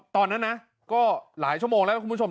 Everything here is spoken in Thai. ตอนนั้นนะก็หลายชั่วโมงแล้วนะคุณผู้ชม